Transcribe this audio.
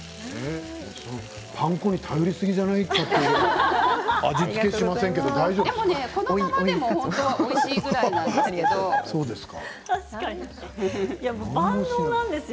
パン粉に頼りすぎじゃないかというぐらい味付けをしませんけれど大丈夫ですか？